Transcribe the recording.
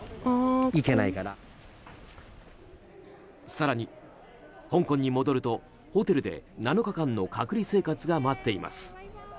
更に、香港に戻るとホテルで７日間の隔離生活が待っています。